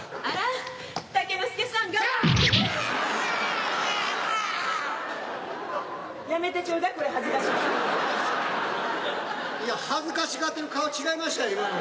いや恥ずかしがってる顔違いましたよ